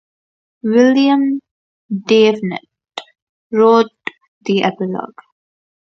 William Davenant wrote the epilogue.